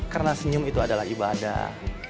karena senyum itu adalah ibadah